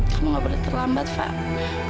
kamu gak boleh terlambat pak